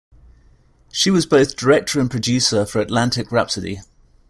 She was both director and producer for "Atlantic Rhapsody".